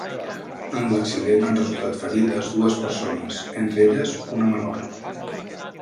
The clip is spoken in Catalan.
En l'accident han resultat ferides dues persones, entre elles una menor.